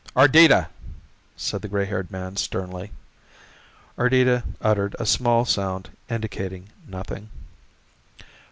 "Ardita!" said the gray haired man sternly. Ardita uttered a small sound indicating nothing.